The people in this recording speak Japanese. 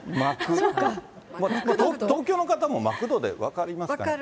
東京の方もマクドで分かりますか？